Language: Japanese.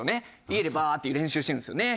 家でバーッて言う練習してるんですよね。